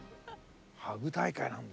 ハグ大会なんだ。